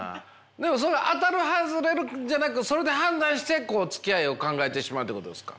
でも当たる外れるじゃなくそれで判断してつきあいを考えてしまうっていうことですか。